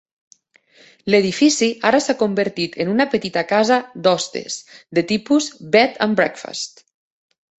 L'edifici ara s'ha convertit en una petita casa d'hostes de tipus "bed and breakfast".